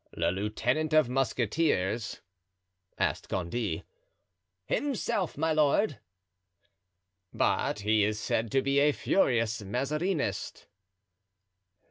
"The lieutenant of musketeers?" asked Gondy. "Himself, my lord." "But he is said to be a furious Mazarinist."